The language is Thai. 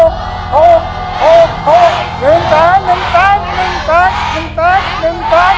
โภโภโภโภโภโภโภ